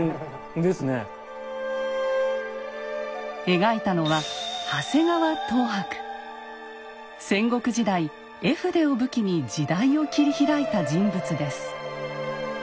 描いたのは戦国時代絵筆を武器に時代を切り開いた人物です。